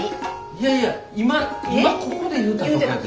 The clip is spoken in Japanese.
いやいや今今ここで言うたとこやで。